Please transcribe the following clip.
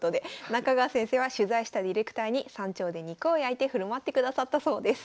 中川先生は取材したディレクターに山頂で肉を焼いて振る舞ってくださったそうです。